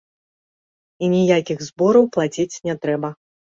І ніякіх збораў плаціць не трэба.